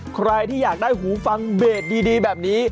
ใครที่อยากได้หูฟังเบสดีแบบนี้